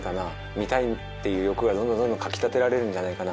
見たいっていう欲がどんどんどんどんかきたてられるんじゃないかな。